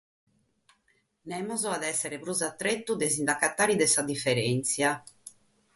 Nemos at a èssere prus a tretu de nche nde sejare sa diferèntzia.